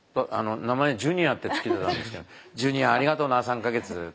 名前ジュニアって付けてたんですけど「ジュニアありがとうな３か月。